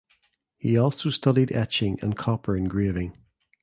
He also studied etching and copper engraving.